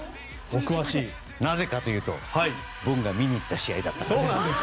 なぜかというと僕が見に行った試合だからです。